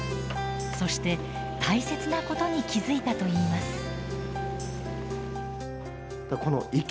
そして大切なことに気付いたといいます。